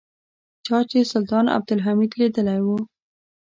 چا چې سلطان عبدالحمید لیدلی و.